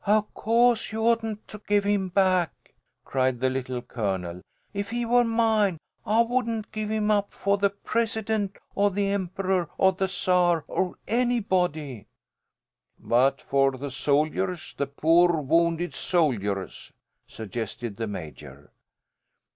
"Of co'se you oughtn't to give him back!" cried the Little Colonel. "If he were mine, I wouldn't give him up for the president, or the emperor, or the czar, or anybody!" "But for the soldiers, the poor wounded soldiers!" suggested the Major.